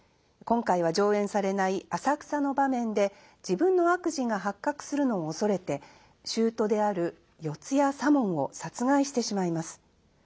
今回は上演されない浅草の場面で自分の悪事が発覚するのを恐れて舅である四谷左門を殺害してしまいます。